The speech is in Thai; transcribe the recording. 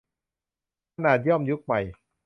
ขนาดย่อมยุคใหม่